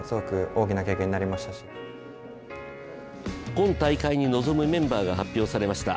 今大会に臨むメンバーが発表されました。